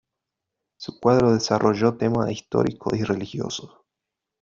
En sus cuadros desarrolló temas históricos y religiosos.